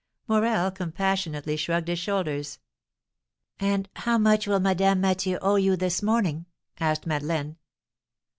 '" Morel compassionately shrugged his shoulders. "And how much will Madame Mathieu owe you this morning?" asked Madeleine.